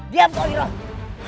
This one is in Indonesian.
diam kau irah